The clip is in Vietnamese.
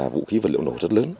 vụ khí vật liệu nổ rất lớn